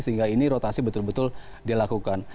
sehingga ini rotasi betul betul dia lakukan